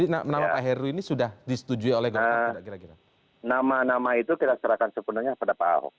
nama nama itu kita serahkan sepenuhnya kepada pak ahok